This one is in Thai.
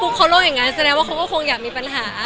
ฮึกเขาลงอย่างงั้นแสดงว่าเขาช่วงคงอยากมีปัญหา